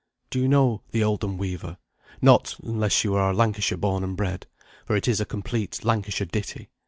Do you know "The Oldham Weaver?" Not unless you are Lancashire born and bred, for it is a complete Lancashire ditty.